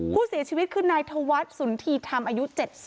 ผู้เสียชีวิตคือนายธวัฒน์สุนธีธรรมอายุ๗๐